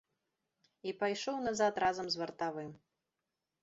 І пайшоў назад разам з вартавым.